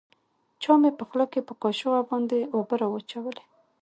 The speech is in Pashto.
چا مې په خوله کښې په کاشوغه باندې اوبه راواچولې.